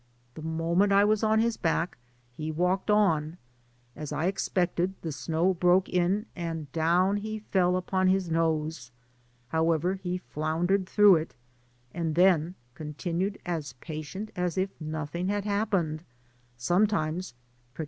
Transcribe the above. The moment I was on his back, he walked on ; as I expected, the snow broke in, and down he fell upon his nose ; however, he floundered through it, and then continued as pa tient as if nothing had happened, sometimes prick Digitized byGoogk THE GREAT CORDILLERA.